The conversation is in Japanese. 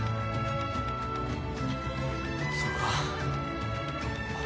そうか。